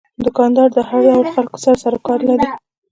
دوکاندار د هر ډول خلکو سره سروکار لري.